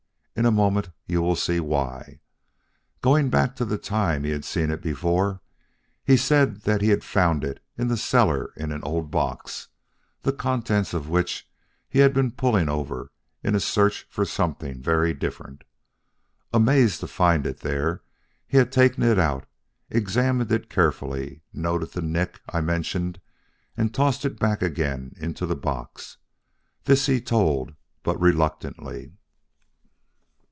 In a moment you will see why. Going back to the time he had seen it before, he said that he had found it in the cellar in an old box, the contents of which he had been pulling over in a search for something very different. Amazed to find it there, he had taken it out, examined it carefully, noted the nick I mentioned and tossed it back again into the box. This he told, but reluctantly.